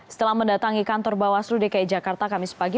setelah mendatangi kantor bawah seluruh dki jakarta kamis pagi